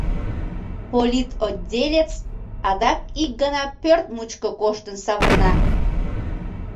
Политотделец адак ик гана пӧрт мучко коштын савырна.